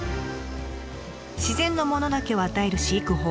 自然のものだけを与える飼育法。